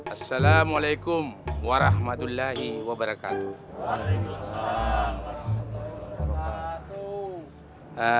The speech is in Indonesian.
assalamualaikum warahmatullahi wabarakatuh